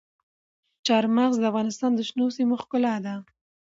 چار مغز د افغانستان د شنو سیمو ښکلا ده.